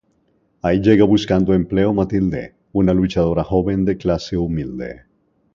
Ahí llega buscando empleo Matilde, una luchadora joven de clase humilde.